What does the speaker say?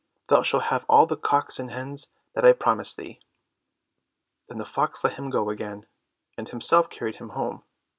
"Thou shalt have all the cocks and hens, that I promise thee." Then the fox let him go again, and himself carried him home.